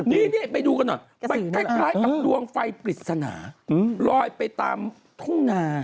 นี่ไปดูกันหน่อยมันคล้ายกับดวงไฟปริศนาลอยไปตามทุ่งนา